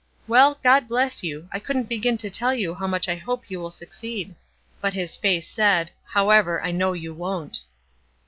"Well, God bless you; I couldn't begin to tell you how much I hope you will succeed." But his face said: "However, I know you won't."